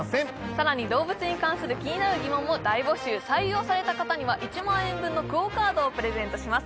さらに動物に関する気になる疑問も大募集採用された方には１万円分のＱＵＯカードをプレゼントします